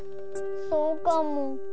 そうかも。